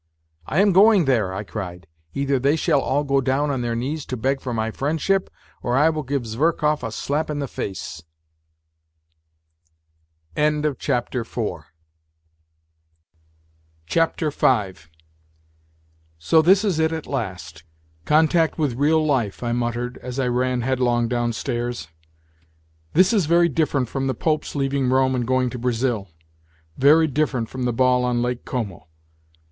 " I am going there !" I cried. " Either they shall all go down on their knees to beg for my friendship, or I will give Zverkov a slap in the face !" V " So this is it, this is it at last contact with real life." I muttered as I ran headlong downstairs. " This is very different from the Pope's leaving Rome and going to Brazil, very different from the ball on Lake Como